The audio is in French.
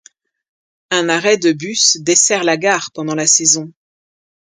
Un arrêt de bus dessert la gare pendant la saison.